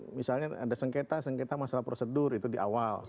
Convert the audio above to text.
misalnya ada sengketa sengketa masalah prosedur itu di awal